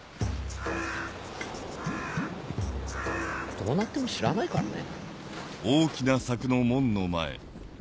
どうなっても知らないからね。